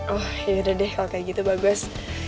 oh yaudah deh kalau kayak gitu bagus